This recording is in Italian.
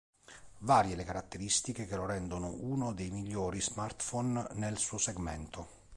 Varie le caratteristiche che lo rendono uno dei migliori smartphone nel suo segmento.